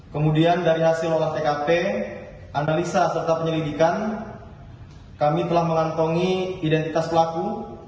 kemudian dari hasil olah tkp analisa serta penyelidikan kami telah mengantongi identitas pelaku